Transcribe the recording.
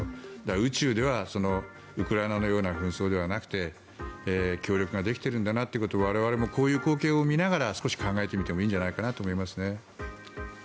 宇宙ではウクライナのような紛争ではなくて協力ができているんだというのを我々もこういう光景を見ながら少し考えてみてもいいんじゃないかなと思いますね。